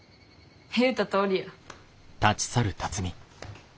言うたとおりや。